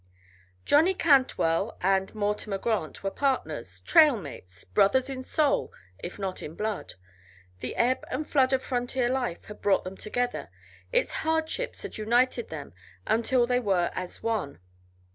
Johnny Cantwell and Mortimer Grant were partners, trail mates, brothers in soul if not in blood. The ebb and flood of frontier life had brought them together, its hardships had united them until they were as one.